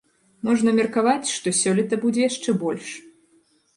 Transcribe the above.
Можна меркаваць, што сёлета будзе яшчэ больш.